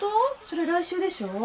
それ来週でしょ？